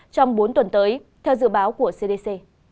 trong bốn tuần tới theo dự báo của cdc